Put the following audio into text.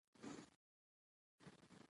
دغه مناظره د وخت ضایع کول دي.